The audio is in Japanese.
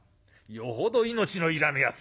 よほど命のいらぬやつ。